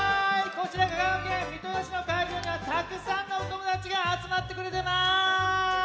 こちら香川県三豊市のかいじょうにはたくさんのおともだちがあつまってくれてます！